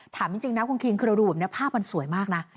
ถามจริงนะคุณคิงคือเราดูแบบนี้ภาพมันสวยมากนะ